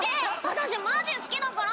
「私マジ好きだから！」